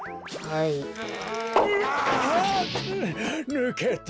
ぬけた。